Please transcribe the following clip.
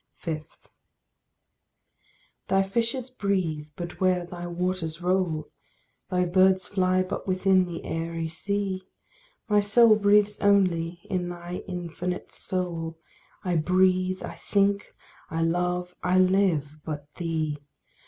5. Thy fishes breathe but where thy waters roll; Thy birds fly but within thy airy sea; My soul breathes only in thy infinite soul; I breathe, I think, I love, I live but thee.